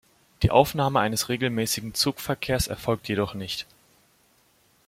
Die Aufnahme eines regelmäßigen Zugverkehrs erfolgte jedoch nicht.